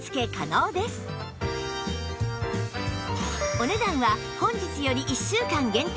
お値段は本日より１週間限定